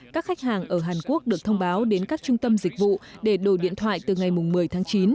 các khách hàng ở hàn quốc được thông báo đến các trung tâm dịch vụ để đổi điện thoại từ ngày một mươi tháng chín